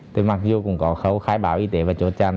thì mặc dù cũng có khâu khai báo y tế và chốt chặn